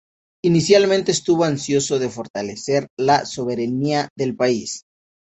Inicialmente, estuvo ansioso de fortalecer la soberanía del país.